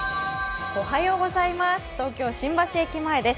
東京・新橋駅前です。